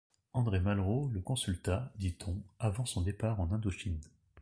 André Malraux le consulta, dit-on, avant son départ en Indochine.